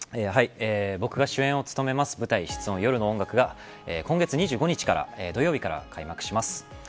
僕が主演を務めます舞台「室温夜の音楽」が今月２５日、土曜日から開幕します。